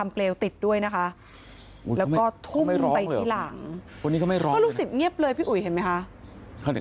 เพราะลูกศิษย์เงียบเลยพี่อุ๋ยเห็นมมีคะ